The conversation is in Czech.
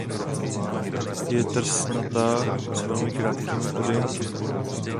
Je trsnatá s velmi krátkými oddenky.